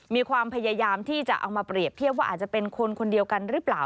มีความพยายามที่จะเอามาเปรียบเทียบว่าอาจจะเป็นคนคนเดียวกันหรือเปล่า